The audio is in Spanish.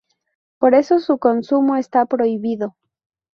Por eso su consumo está prohibido.